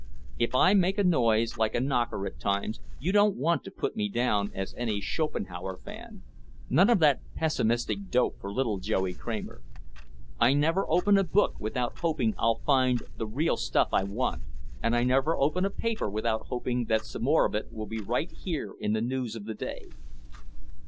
If I make a noise like a knocker at times you don't want to put me down as any Schopenhauer fan. None of that pessimistic dope for little Joey Kramer. I never open a new book without hoping I'll find the real stuff I want, and I never open a paper without hoping that some more of it will be right here in the news of the day.